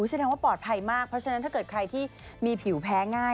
แสดงว่าปลอดภัยมากเพราะฉะนั้นถ้าเกิดใครที่มีผิวแพ้ง่าย